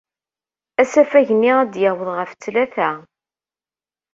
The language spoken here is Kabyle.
Asafag-nni ad d-yaweḍ ɣef ttlata.